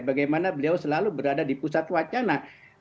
bagaimana beliau selalu berada di pusat wacana